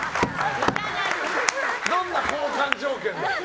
どんな交換条件。